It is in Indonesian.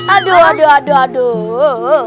aduh aduh aduh